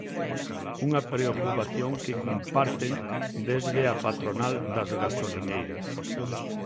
Unha preocupación que comparten desde a patronal das gasolineiras.